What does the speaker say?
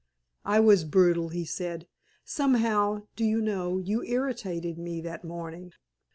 "I was brutal," he said. "Somehow, do you know, you irritated me that morning?